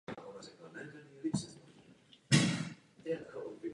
Oba dva navštěvovali taneční školu i v následujících letech.